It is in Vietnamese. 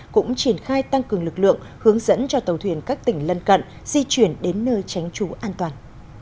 cũng triển khai tăng cường lực lượng hướng dẫn cho tàu thuyền các tỉnh lân cận di chuyển đến nơi tránh trú an toàn